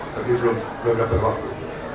tapi belum dapat waktu